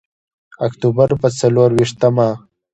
د اکتوبر په څلور ویشتمه.